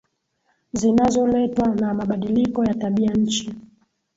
zinazoletwa na mabadiliko ya tabia nchi